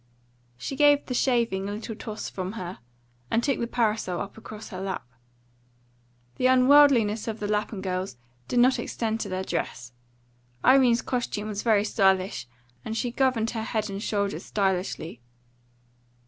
She gave the shaving a little toss from her, and took the parasol up across her lap. The unworldliness of the Lapham girls did not extend to their dress; Irene's costume was very stylish, and she governed her head and shoulders stylishly.